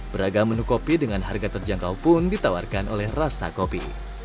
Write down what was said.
beragam menu kopi dengan harga terjangkau pun ditawarkan oleh rasa kopi